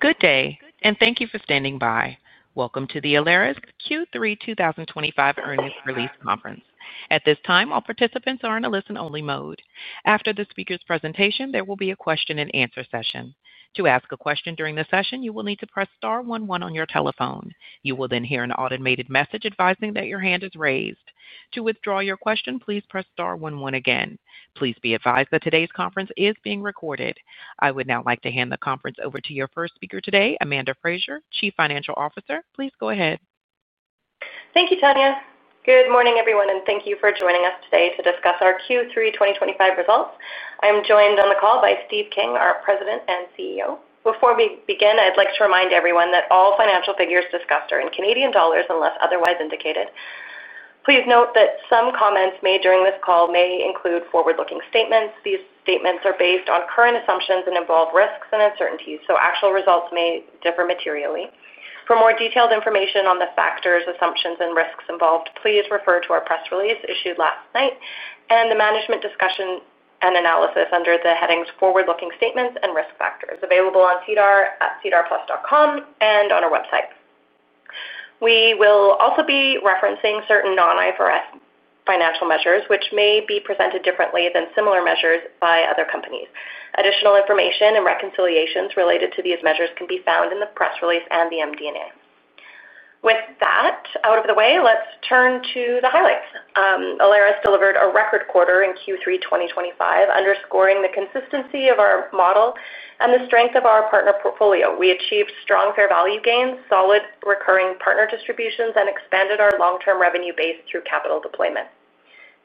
Good day, and thank you for standing by. Welcome to the Alaris Q3 2025 Earnings Release Conference. At this time, all participants are in a listen-only mode. After the speaker's presentation, there will be a question-and-answer session. To ask a question during the session, you will need to press star one one on your telephone. You will then hear an automated message advising that your hand is raised. To withdraw your question, please press star one one again. Please be advised that today's conference is being recorded. I would now like to hand the conference over to your first speaker today, Amanda Frazer, Chief Financial Officer. Please go ahead. Thank you, Tanya. Good morning, everyone, and thank you for joining us today to discuss our Q3 2025 results. I am joined on the call by Steve King, our President and CEO. Before we begin, I'd like to remind everyone that all financial figures discussed are in CAD unless otherwise indicated. Please note that some comments made during this call may include forward-looking statements. These statements are based on current assumptions and involve risks and uncertainties, so actual results may differ materially. For more detailed information on the factors, assumptions, and risks involved, please refer to our press release issued last night and the management discussion and analysis under the headings "Forward-looking Statements" and "Risk Factors." It is available on CDR at cdrplus.com and on our website. We will also be referencing certain non-IFRS financial measures, which may be presented differently than similar measures by other companies. Additional information and reconciliations related to these measures can be found in the press release and the MD&A. With that out of the way, let's turn to the highlights. Alaris delivered a record quarter in Q3 2025, underscoring the consistency of our model and the strength of our partner portfolio. We achieved strong fair value gains, solid recurring partner distributions, and expanded our long-term revenue base through capital deployment.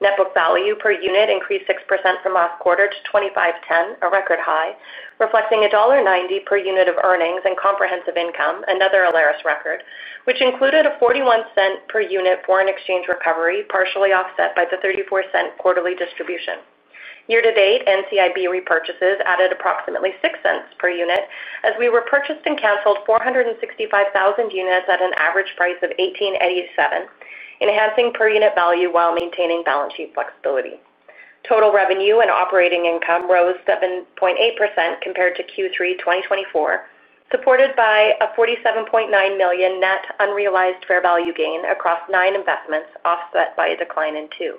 Net book value per unit increased 6% from last quarter to 2,510, a record high, reflecting dollar 1.90 per unit of earnings and comprehensive income, another Alaris record, which included a 0.41 per unit foreign exchange recovery partially offset by the 0.34 quarterly distribution. Year-to-date, NCIB repurchases added approximately 0.06 per unit, as we repurchased and canceled 465,000 units at an average price of 1,887, enhancing per unit value while maintaining balance sheet flexibility. Total revenue and operating income rose 7.8% compared to Q3 2024, supported by a 47.9 million net unrealized fair value gain across nine investments offset by a decline in two.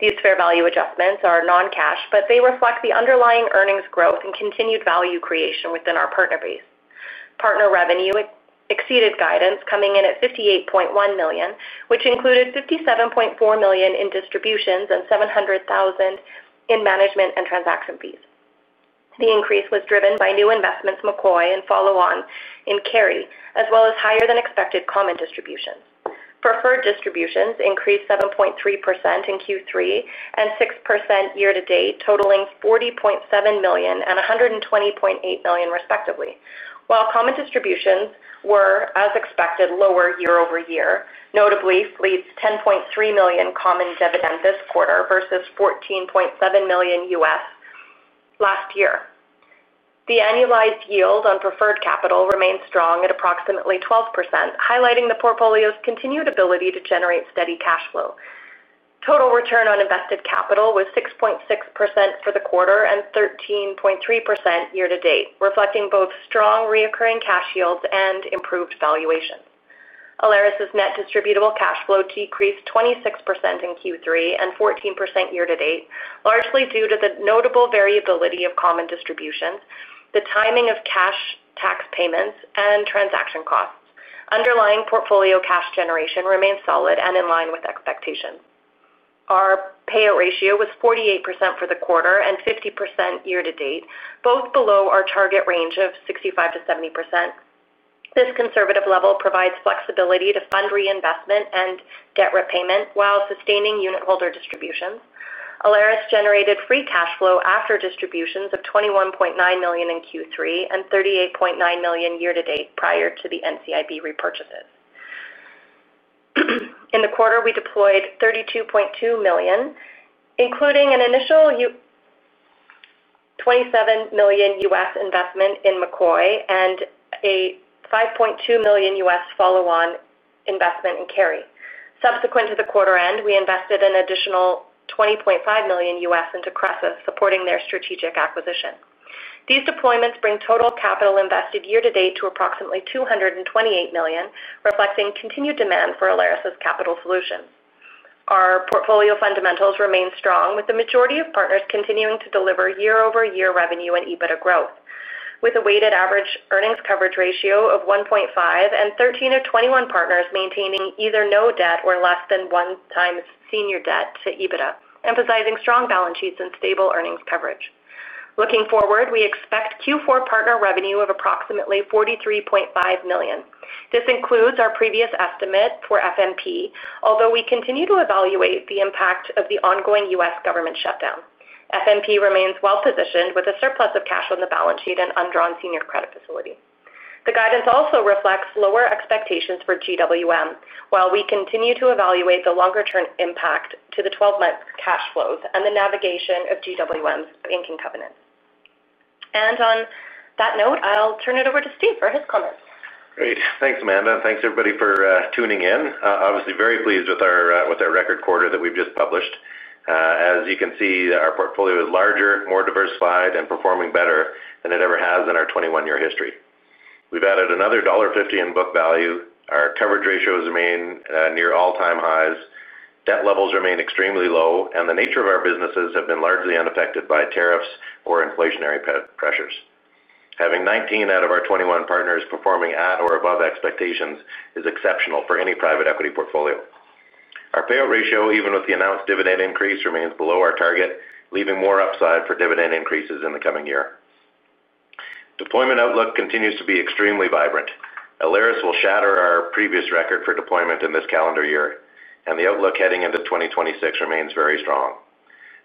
These fair value adjustments are non-cash, but they reflect the underlying earnings growth and continued value creation within our partner base. Partner revenue exceeded guidance, coming in at 58.1 million, which included 57.4 million in distributions and 700,000 in management and transaction fees. The increase was driven by new investments in McCoy and follow-on in Kerry, as well as higher-than-expected common distributions. Preferred distributions increased 7.3% in Q3 and 6% year-to-date, totaling 40.7 million and 120.8 million, respectively, while common distributions were, as expected, lower year-over-year, notably Fleet's 10.3 million common dividend this quarter versus 14.7 million last year. The annualized yield on preferred capital remained strong at approximately 12%, highlighting the portfolio's continued ability to generate steady cash flow. Total return on invested capital was 6.6% for the quarter and 13.3% year-to-date, reflecting both strong recurring cash yields and improved valuation. Alaris's net distributable cash flow decreased 26% in Q3 and 14% year-to-date, largely due to the notable variability of common distributions, the timing of cash tax payments, and transaction costs. Underlying portfolio cash generation remains solid and in line with expectations. Our payout ratio was 48% for the quarter and 50% year-to-date, both below our target range of 65-70%. This conservative level provides flexibility to fund reinvestment and debt repayment while sustaining unit holder distributions. Alaris generated free cash flow after distributions of 21.9 million in Q3 and 38.9 million year-to-date prior to the NCIB repurchases. In the quarter, we deployed 32.2 million, including an initial 27 million US investment in McCoy and a 5.2 million US follow-on investment in Kerry. Subsequent to the quarter end, we invested an additional CAD 20.5 million US into Cresus, supporting their strategic acquisition. These deployments bring total capital invested year-to-date to approximately 228 million, reflecting continued demand for Alaris's capital solutions. Our portfolio fundamentals remain strong, with the majority of partners continuing to deliver year-over-year revenue and EBITDA growth, with a weighted average earnings coverage ratio of 1.5 and 13 of 21 partners maintaining either no debt or less than one-time senior debt to EBITDA, emphasizing strong balance sheets and stable earnings coverage. Looking forward, we expect Q4 partner revenue of approximately 43.5 million. This includes our previous estimate for FMP, although we continue to evaluate the impact of the ongoing U.S government shutdown. FMP remains well-positioned, with a surplus of cash on the balance sheet and undrawn senior credit facility. The guidance also reflects lower expectations for GWM, while we continue to evaluate the longer-term impact to the 12-month cash flows and the navigation of GWM's banking covenants. On that note, I'll turn it over to Steve for his comments. Great. Thanks, Amanda. Thanks, everybody, for tuning in. Obviously, very pleased with our record quarter that we've just published. As you can see, our portfolio is larger, more diversified, and performing better than it ever has in our 21-year history. We've added another dollar 1.50 in book value. Our coverage ratios remain near all-time highs. Debt levels remain extremely low, and the nature of our businesses has been largely unaffected by tariffs or inflationary pressures. Having 19 out of our 21 partners performing at or above expectations is exceptional for any private equity portfolio. Our payout ratio, even with the announced dividend increase, remains below our target, leaving more upside for dividend increases in the coming year. Deployment outlook continues to be extremely vibrant. Alaris will shatter our previous record for deployment in this calendar year, and the outlook heading into 2026 remains very strong.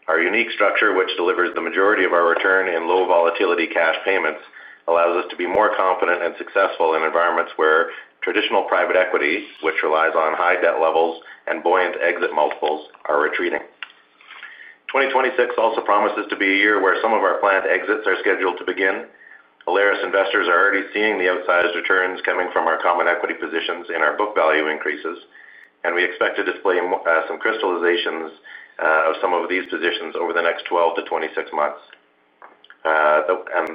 Our unique structure, which delivers the majority of our return in low-volatility cash payments, allows us to be more confident and successful in environments where traditional private equity, which relies on high debt levels and buoyant exit multiples, are retreating. 2026 also promises to be a year where some of our planned exits are scheduled to begin. Alaris investors are already seeing the outsized returns coming from our common equity positions in our book value increases, and we expect to display some crystallizations of some of these positions over the next 12-26 months.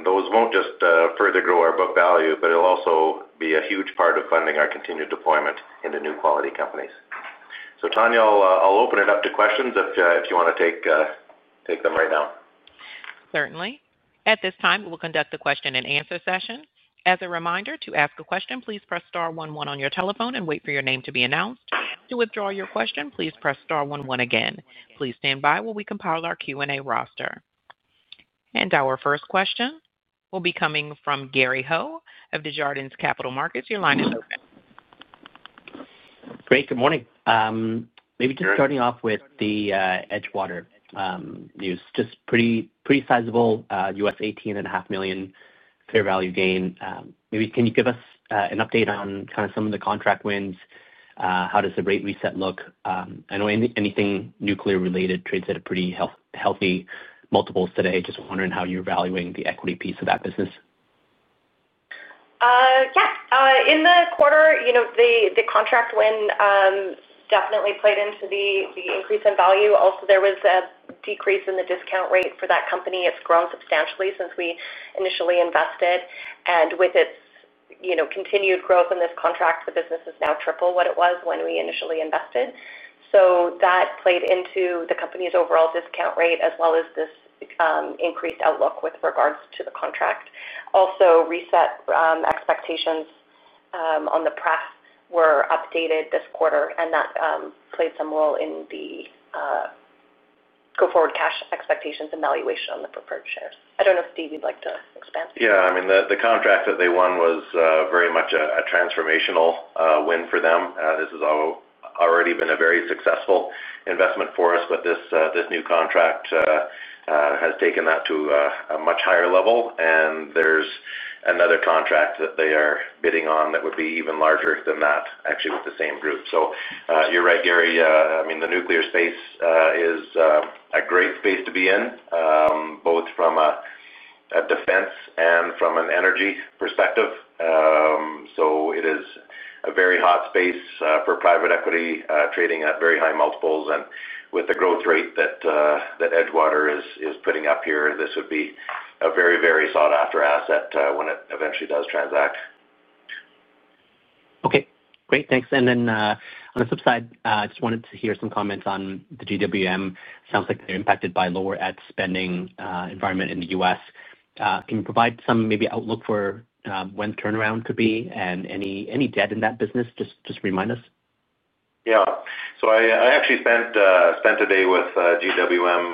Those will not just further grow our book value, but it will also be a huge part of funding our continued deployment into new quality companies. Tanya, I will open it up to questions if you want to take them right now. Certainly. At this time, we'll conduct the question-and-answer session. As a reminder, to ask a question, please press star one one on your telephone and wait for your name to be announced. To withdraw your question, please press star one one again. Please stand by while we compile our Q&A roster. Our first question will be coming from Gary Ho of Desjardins Capital Markets. Your line is open. Great. Good morning. Maybe just starting off with Edgewater. News just pretty sizable U.S, 18.5 million fair value gain. Maybe can you give us an update on kind of some of the contract wins? How does the rate reset look? I know anything nuclear-related trades at a pretty healthy multiple today. Just wondering how you're evaluating the equity piece of that business. Yeah. In the quarter, the contract win definitely played into the increase in value. Also, there was a decrease in the discount rate for that company. It has grown substantially since we initially invested. With its continued growth in this contract, the business is now triple what it was when we initially invested. That played into the company's overall discount rate, as well as this increased outlook with regards to the contract. Also, reset expectations on the press were updated this quarter, and that played some role in the go forward cash expectations and valuation on the preferred shares. I do not know if Steve would like to expand. Yeah. I mean, the contract that they won was very much a transformational win for them. This has already been a very successful investment for us, but this new contract has taken that to a much higher level. There is another contract that they are bidding on that would be even larger than that, actually with the same group. You are right, Gary. I mean, the nuclear space is a great space to be in, both from a defense and from an energy perspective. It is a very hot space for private equity trading at very high multiples. With the growth rate that Edgewater is putting up here, this would be a very, very sought-after asset when it eventually does transact. Okay. Great. Thanks. On the flip side, I just wanted to hear some comments on GWM. Sounds like they're impacted by lower ad-spending environment in the U.S. Can you provide some maybe outlook for when turnaround could be and any debt in that business? Just remind us. Yeah. So I actually spent a day with GWM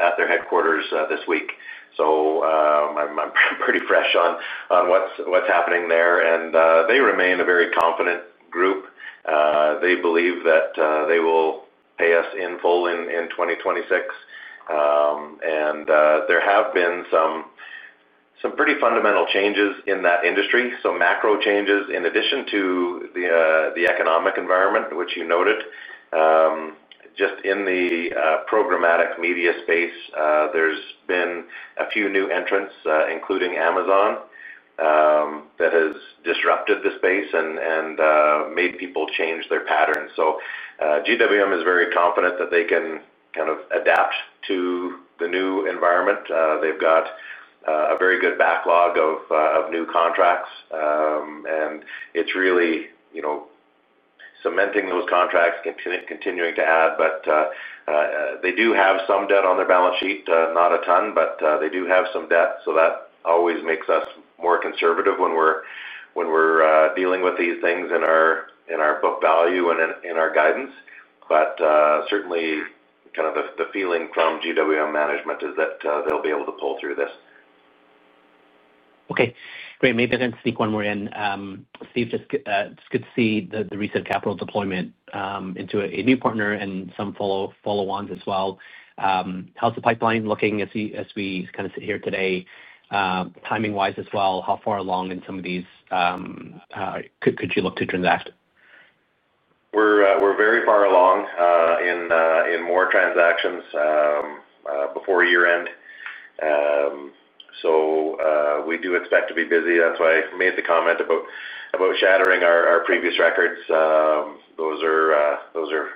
at their headquarters this week. So I'm pretty fresh on what's happening there. And they remain a very confident group. They believe that they will pay us in full in 2026. And there have been some pretty fundamental changes in that industry. So macro changes, in addition to the economic environment, which you noted. Just in the programmatic media space, there's been a few new entrants, including Amazon, that has disrupted the space and made people change their patterns. So GWM is very confident that they can kind of adapt to the new environment. They've got a very good backlog of new contracts. And it's really cementing those contracts, continuing to add. But they do have some debt on their balance sheet, not a ton, but they do have some debt. That always makes us more conservative when we're dealing with these things in our book value and in our guidance. But certainly, kind of the feeling from GWM management is that they'll be able to pull through this. Okay. Great. Maybe I can sneak one more in. Steve, just could see the recent capital deployment into a new partner and some follow-ons as well. How's the pipeline looking as we kind of sit here today? Timing-wise as well? How far along in some of these? Could you look to transact? We're very far along in more transactions before year-end. We do expect to be busy. That's why I made the comment about shattering our previous records. Those are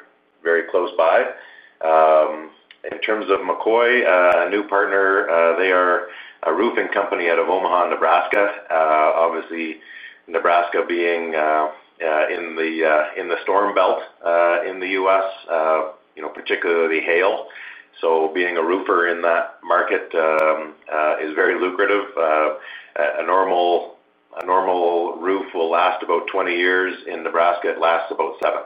very close by. In terms of McCoy, a new partner, they are a roofing company out of Omaha, Nebraska. Obviously, Nebraska being in the storm belt in the U.S., particularly hail, being a roofer in that market is very lucrative. A normal roof will last about 20 years. In Nebraska, it lasts about seven.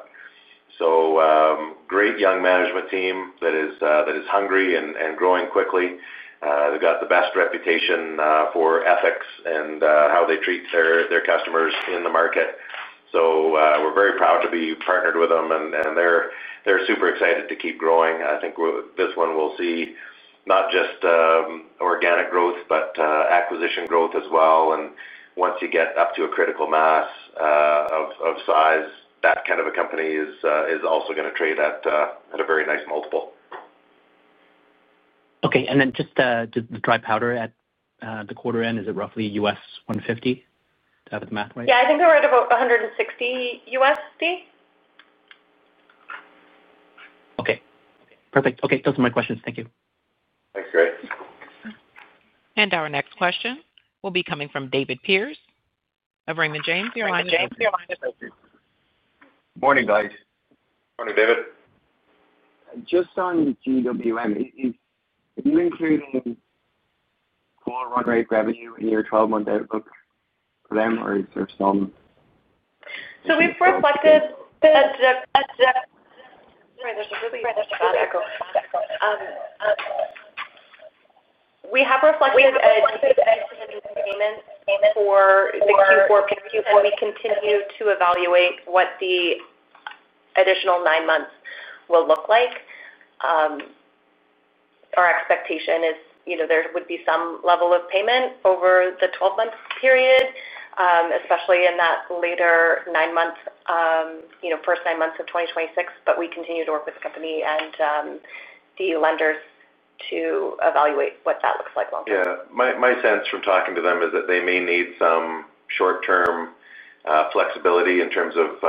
Great young management team that is hungry and growing quickly. They've got the best reputation for ethics and how they treat their customers in the market. We're very proud to be partnered with them. They're super excited to keep growing. I think this one will see not just organic growth, but acquisition growth as well. Once you get up to a critical mass of size, that kind of a company is also going to trade at a very nice multiple. Okay. And then just to dry powder at the quarter end, is it roughly $150? To have the math right. Yeah. I think we're at about $160. Okay. Perfect. Okay. Those are my questions. Thank you. Thanks, Gary. Our next question will be coming from David Pierce of Raymond James. Good morning, James. Good morning, guys. Morning, David. Just on GWM, is you including core run rate revenue in your 12-month outlook for them, or is there some? We have reflected an increase in payments for Q4. We continue to evaluate what the additional nine months will look like. Our expectation is there would be some level of payment over the 12-month period, especially in that later nine months, first nine months of 2026. We continue to work with the company and the lenders to evaluate what that looks like long term. Yeah. My sense from talking to them is that they may need some short-term flexibility in terms of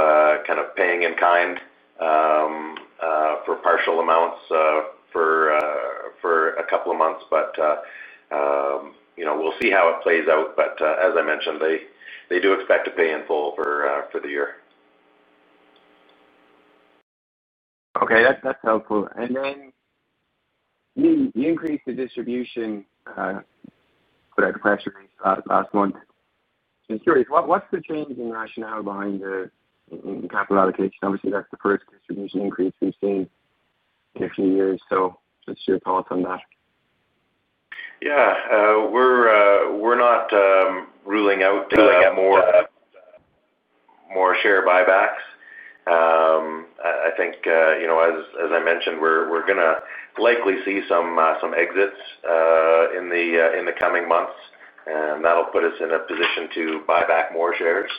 kind of paying in kind for partial amounts for a couple of months. We'll see how it plays out. As I mentioned, they do expect to pay in full for the year. Okay. That's helpful. You increased the distribution for that cash release last month. Just curious, what's the change in rationale behind the capital allocation? Obviously, that's the first distribution increase we've seen in a few years. Just your thoughts on that. Yeah. We're not ruling out looking at more share buybacks. I think, as I mentioned, we're going to likely see some exits in the coming months. That'll put us in a position to buy back more shares.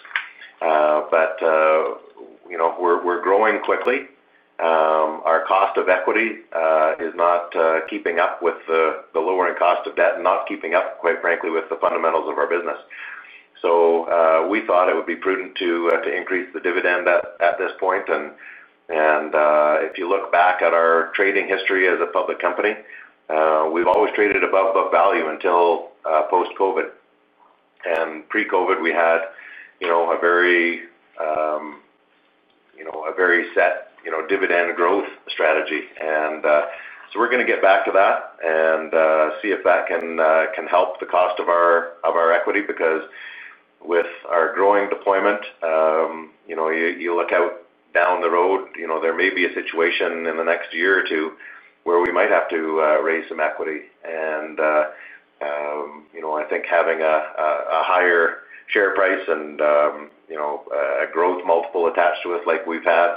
We're growing quickly. Our cost of equity is not keeping up with the lowering cost of debt and not keeping up, quite frankly, with the fundamentals of our business. We thought it would be prudent to increase the dividend at this point. If you look back at our trading history as a public company, we've always traded above book value until post-COVID. Pre-COVID, we had a very set dividend growth strategy. We're going to get back to that and see if that can help the cost of our equity because with our growing deployment. You look out down the road, there may be a situation in the next year or two where we might have to raise some equity. I think having a higher share price and a growth multiple attached to it like we've had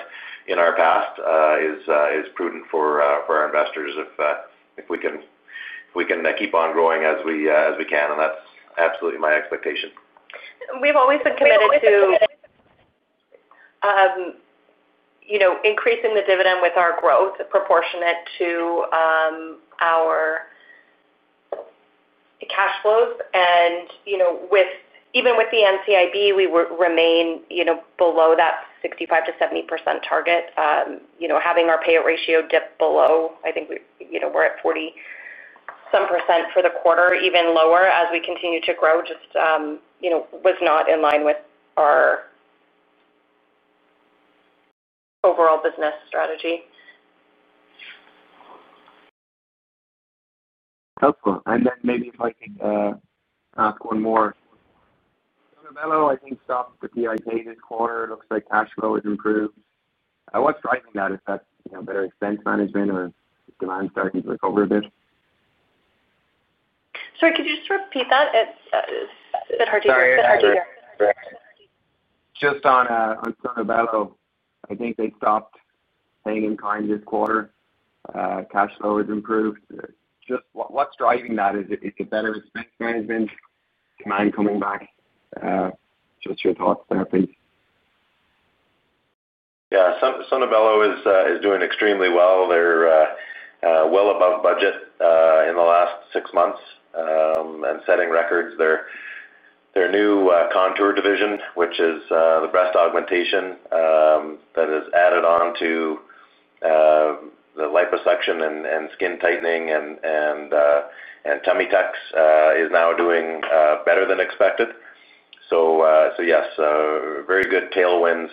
in our past is prudent for our investors if we can keep on growing as we can. And that's absolutely my expectation. We've always been committed to increasing the dividend with our growth proportionate to our cash flows. Even with the NCIB, we remain below that 65-70% target. Having our payout ratio dip below, I think we're at 40-some % for the quarter, even lower as we continue to grow, just was not in line with our overall business strategy. That's cool. Maybe if I can ask one more. Donatello, I think stock's pretty okay this quarter. It looks like cash flow has improved. What's driving that? Is that better expense management or demand starting to look over a bit? Sorry, could you just repeat that? It's a bit hard to hear. Sorry. Sorry. Just on Donatello, I think they stopped paying in kind this quarter. Cash flow has improved. Just what's driving that? Is it better expense management? Demand coming back? Just your thoughts, that please. Yeah. Sonobello is doing extremely well. They're well above budget in the last six months and setting records. Their new contour division, which is the breast augmentation that is added on to the liposuction and skin tightening and tummy tucks, is now doing better than expected. Yes, very good tailwinds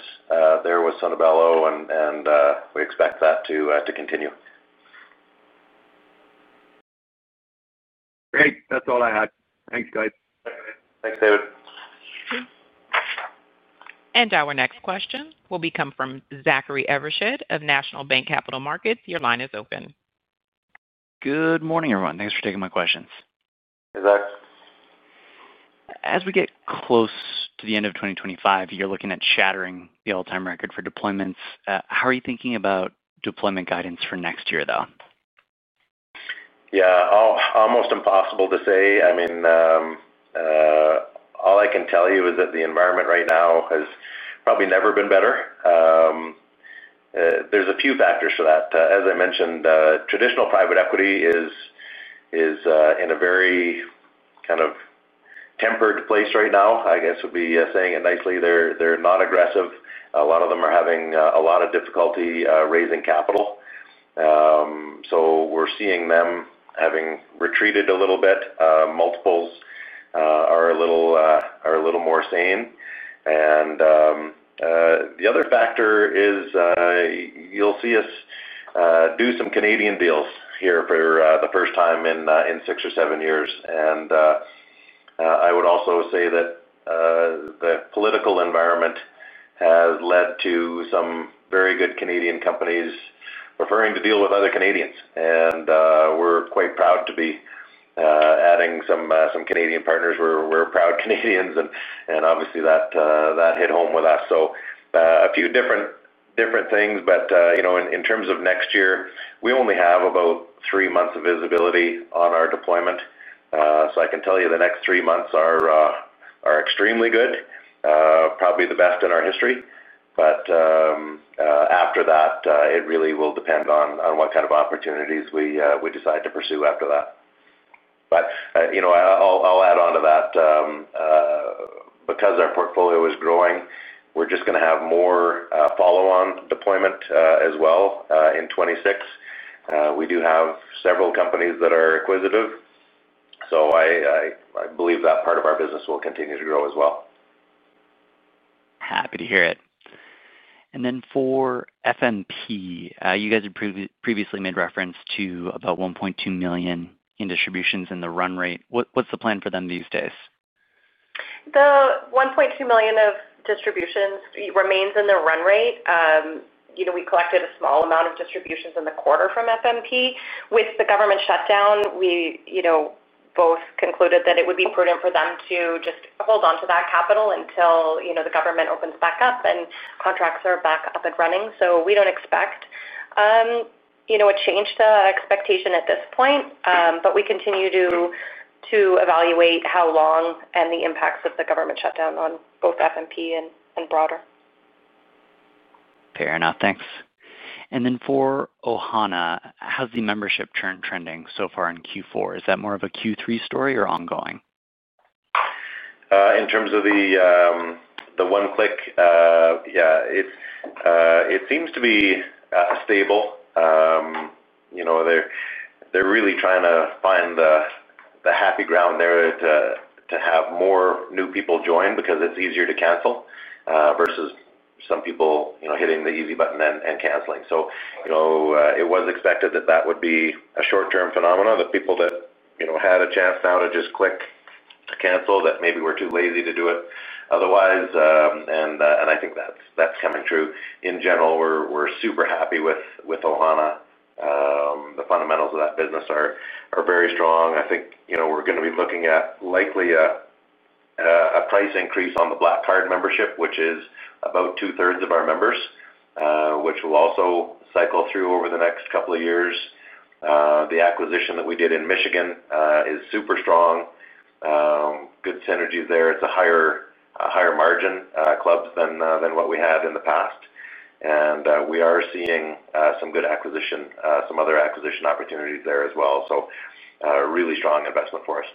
there with Sonobello, and we expect that to continue. Great. That's all I had. Thanks, guys. Thanks, David. Our next question will be come from Zachary Evershed of National Bank Capital Markets. Your line is open. Good morning, everyone. Thanks for taking my questions. Hey, Zach. As we get close to the end of 2025, you're looking at shattering the all-time record for deployments. How are you thinking about deployment guidance for next year, though? Yeah. Almost impossible to say. I mean, all I can tell you is that the environment right now has probably never been better. There's a few factors for that. As I mentioned, traditional private equity is in a very kind of tempered place right now. I guess I'll be saying it nicely. They're not aggressive. A lot of them are having a lot of difficulty raising capital. We're seeing them having retreated a little bit. Multiples are a little more sane. The other factor is you'll see us do some Canadian deals here for the first time in six or seven years. I would also say that the political environment has led to some very good Canadian companies preferring to deal with other Canadians. We're quite proud to be adding some Canadian partners. We're proud Canadians, and obviously, that hit home with us. A few different things. In terms of next year, we only have about three months of visibility on our deployment. I can tell you the next three months are extremely good, probably the best in our history. After that, it really will depend on what kind of opportunities we decide to pursue. I'll add on to that, because our portfolio is growing, we're just going to have more follow-on deployment as well in 2026. We do have several companies that are acquisitive, so I believe that part of our business will continue to grow as well. Happy to hear it. For FNP, you guys had previously made reference to about 1.2 million in distributions in the run rate. What is the plan for them these days? The 1.2 million of distributions remains in the run rate. We collected a small amount of distributions in the quarter from FNP. With the government shutdown, both concluded that it would be prudent for them to just hold on to that capital until the government opens back up and contracts are back up and running. We do not expect a change to expectation at this point, but we continue to evaluate how long and the impacts of the government shutdown on both FNP and broader. Fair enough. Thanks. For Ohana, how's the membership trending so far in Q4? Is that more of a Q3 story or ongoing? In terms of the one-click, yeah, it seems to be stable. They're really trying to find the happy ground there to have more new people join because it's easier to cancel versus some people hitting the easy button and canceling. It was expected that that would be a short-term phenomenon. The people that had a chance now to just click to cancel, that maybe were too lazy to do it otherwise. I think that's coming true. In general, we're super happy with Ohana. The fundamentals of that business are very strong. I think we're going to be looking at likely a price increase on the black card membership, which is about two-thirds of our members, which will also cycle through over the next couple of years. The acquisition that we did in Michigan is super strong. Good synergy there. It's a higher margin. Clubs than what we had in the past. We are seeing some good acquisition, some other acquisition opportunities there as well. Really strong investment for us.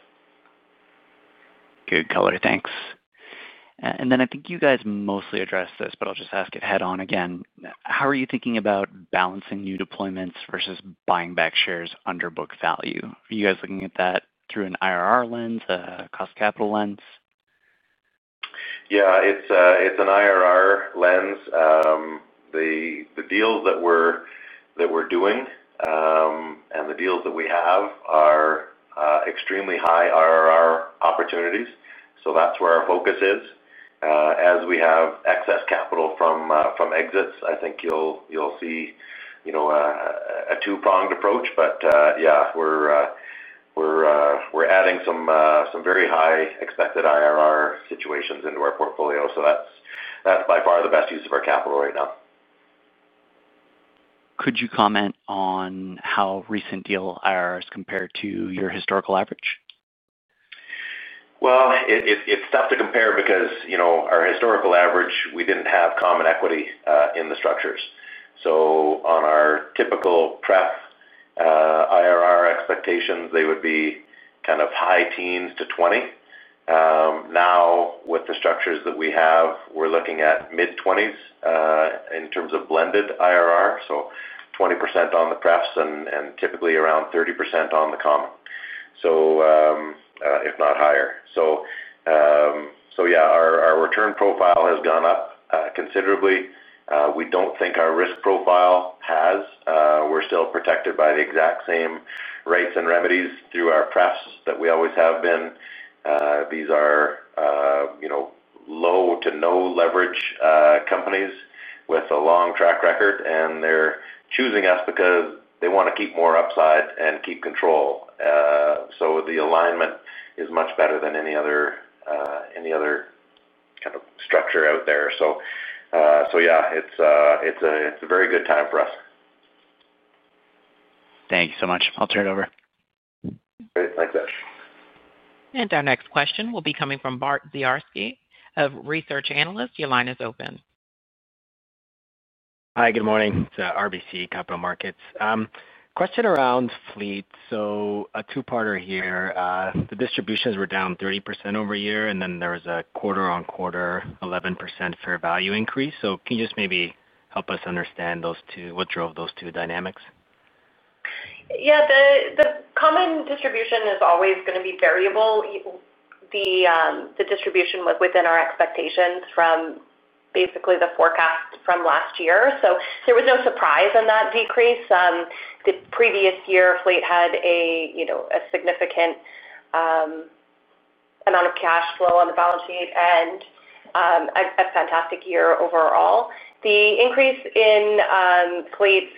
Good color. Thanks. I think you guys mostly addressed this, but I'll just ask it head-on again. How are you thinking about balancing new deployments versus buying back shares under book value? Are you guys looking at that through an IRR lens, a cost capital lens? Yeah. It's an IRR lens. The deals that we're doing and the deals that we have are extremely high IRR opportunities. That's where our focus is. As we have excess capital from exits, I think you'll see a two-pronged approach. Yeah, we're adding some very high expected IRR situations into our portfolio. That's by far the best use of our capital right now. Could you comment on how recent deal IRRs compare to your historical average? It's tough to compare because our historical average, we didn't have common equity in the structures. On our typical prep. IRR expectations, they would be kind of high teens to 20. Now, with the structures that we have, we're looking at mid-20s in terms of blended IRR. 20% on the preps and typically around 30% on the common, if not higher. Yeah, our return profile has gone up considerably. We don't think our risk profile has. We're still protected by the exact same rates and remedies through our preps that we always have been. These are low to no leverage companies with a long track record, and they're choosing us because they want to keep more upside and keep control. The alignment is much better than any other kind of structure out there. Yeah, it's a very good time for us. Thank you so much. I'll turn it over. Great. Thanks, Zach. Our next question will be coming from Bart Ziarski of Research Analyst. Your line is open. Hi. Good morning. It's RBC Capital Markets. Question around Fleet. A two-parter here. The distributions were down 30% over a year. There was a quarter-on-quarter 11% fair value increase. Can you just maybe help us understand what drove those two dynamics? Yeah. The common distribution is always going to be variable. The distribution was within our expectations from basically the forecast from last year. There was no surprise in that decrease. The previous year, Fleet had a significant amount of cash flow on the balance sheet and a fantastic year overall. The increase in Fleet's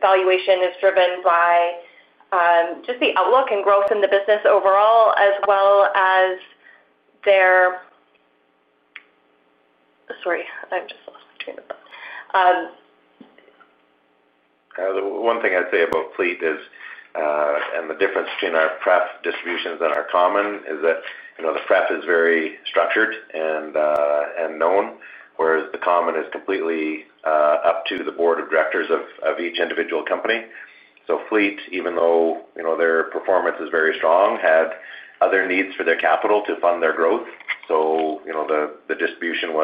valuation is driven by just the outlook and growth in the business overall, as well as their— Sorry, I've just lost my train of thought. One thing I'd say about Fleet is, and the difference between our prep distributions and our common is that the prep is very structured and known, whereas the common is completely up to the board of directors of each individual company. Fleet, even though their performance is very strong, had other needs for their capital to fund their growth. The distribution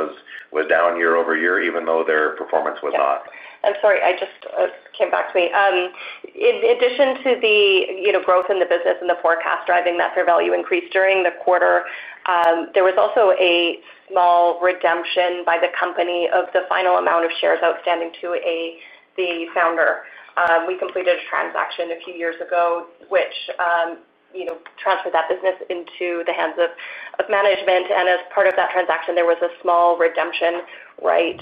was down year over year, even though their performance was not. I'm sorry. It just came back to me. In addition to the growth in the business and the forecast driving that fair value increase during the quarter, there was also a small redemption by the company of the final amount of shares outstanding to the founder. We completed a transaction a few years ago, which transferred that business into the hands of management. As part of that transaction, there was a small redemption right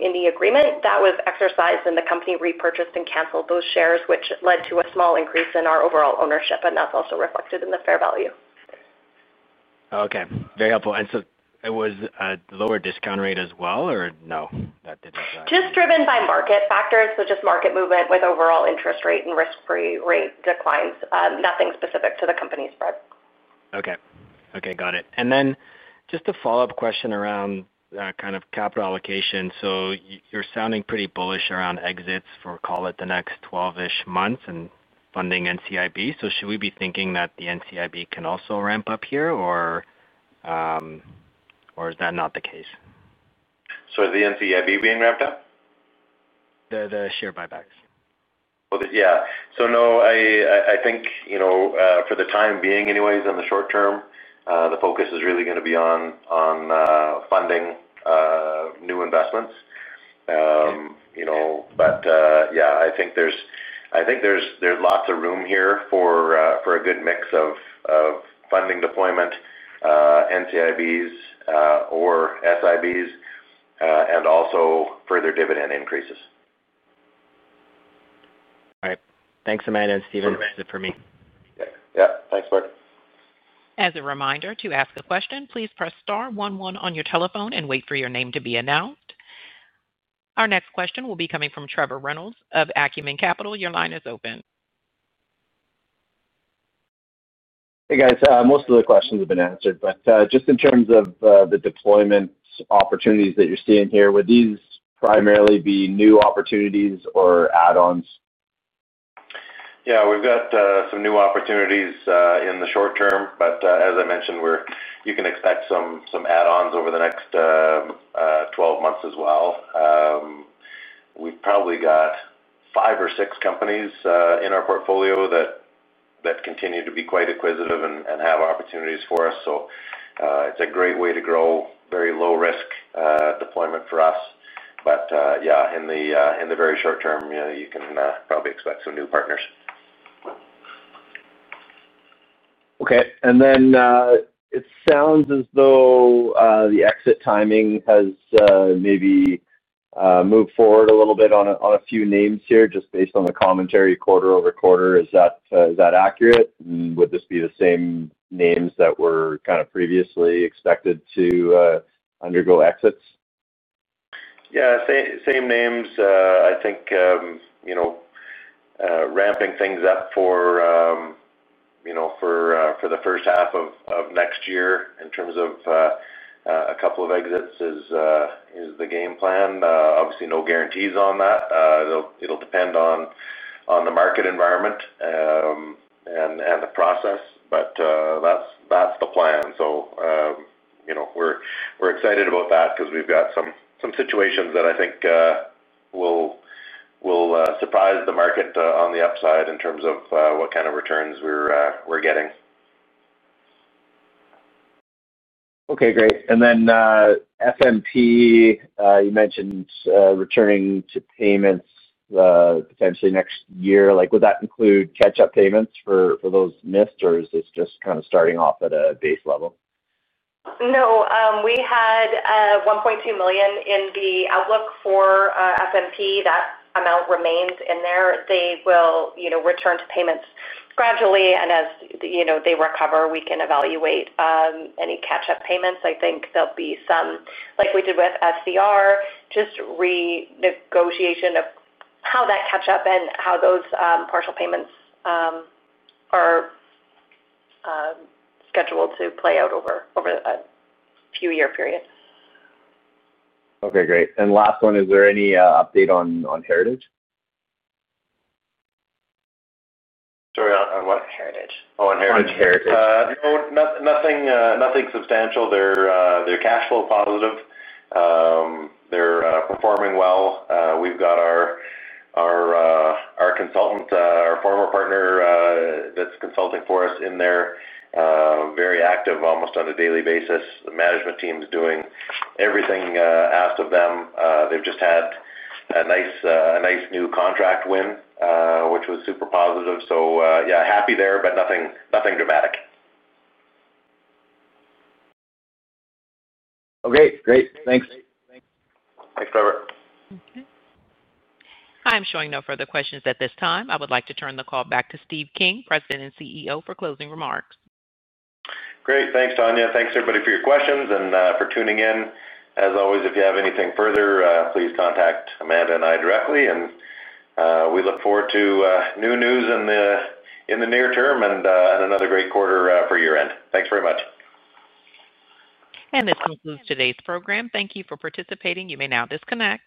in the agreement that was exercised, and the company repurchased and canceled those shares, which led to a small increase in our overall ownership. That is also reflected in the fair value. Okay. Very helpful. And so it was a lower discount rate as well, or no? That did not apply. Just driven by market factors. Just market movement with overall interest rate and risk-free rate declines. Nothing specific to the company's spread. Okay. Okay. Got it. And then just a follow-up question around kind of capital allocation. So you're sounding pretty bullish around exits for, call it, the next 12-ish months and funding NCIB. So should we be thinking that the NCIB can also ramp up here, or is that not the case? Is the NCIB being ramped up? The share buybacks. No, I think for the time being anyways, in the short term, the focus is really going to be on funding new investments. Yeah, I think there's lots of room here for a good mix of funding deployment, NCIBs or SIBs, and also further dividend increases. All right. Thanks, Amanda and Steve. Same for me. Yeah. Thanks, Bart. As a reminder to ask a question, please press star one one on your telephone and wait for your name to be announced. Our next question will be coming from Trevor Reynolds of Acumen Capital. Your line is open. Hey, guys. Most of the questions have been answered. Just in terms of the deployment opportunities that you're seeing here, would these primarily be new opportunities or add-ons? Yeah. We've got some new opportunities in the short term. As I mentioned, you can expect some add-ons over the next 12 months as well. We've probably got five or six companies in our portfolio that continue to be quite acquisitive and have opportunities for us. It is a great way to grow very low-risk deployment for us. Yeah, in the very short term, you can probably expect some new partners. Okay. It sounds as though the exit timing has maybe moved forward a little bit on a few names here just based on the commentary quarter over quarter. Is that accurate? Would this be the same names that were kind of previously expected to undergo exits? Yeah. Same names, I think. Ramping things up for the first half of next year in terms of a couple of exits is the game plan. Obviously, no guarantees on that. It'll depend on the market environment and the process. That's the plan. We're excited about that because we've got some situations that I think will surprise the market on the upside in terms of what kind of returns we're getting. Okay. Great. FNP, you mentioned returning to payments, potentially next year. Would that include catch-up payments for those missed, or is this just kind of starting off at a base level? No. We had 1.2 million in the outlook for FNP. That amount remains in there. They will return to payments gradually. As they recover, we can evaluate any catch-up payments. I think there will be some, like we did with FCR, just renegotiation of how that catch-up and how those partial payments are scheduled to play out over a few-year period. Okay. Great. Last one, is there any update on Heritage? Sorry, on what? Heritage. Oh, on Heritage. On Heritage. Nothing substantial. They're cash flow positive. They're performing well. We've got our consultant, our former partner that's consulting for us in there, very active almost on a daily basis. The management team is doing everything asked of them. They've just had a nice new contract win, which was super positive. Yeah, happy there, but nothing dramatic. Okay. Great. Thanks. Thanks, Trevor. I'm showing no further questions at this time. I would like to turn the call back to Steve King, President and CEO, for closing remarks. Great. Thanks, Tanya. Thanks, everybody, for your questions and for tuning in. As always, if you have anything further, please contact Amanda and I directly. We look forward to new news in the near term and another great quarter for year-end. Thanks very much. This concludes today's program. Thank you for participating. You may now disconnect.